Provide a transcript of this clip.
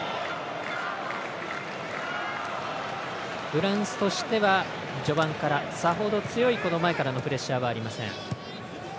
フランスとしては序盤からさほど強い、前からのプレッシャーはありません。